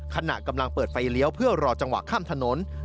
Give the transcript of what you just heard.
ขณะกำลังเปิดไฟเลี้ยวเพื่อรอจังหวะข้ามถนน